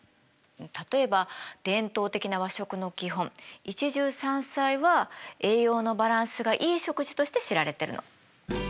例えば伝統的な和食の基本一汁三菜は栄養のバランスがいい食事として知られてるの。